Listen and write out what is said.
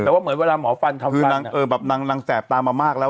แต่ว่าเหมือนเวลาหมอฟันทำคือนางเออแบบนางแสบตามามากแล้ว